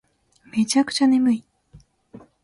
めちゃくちゃ眠い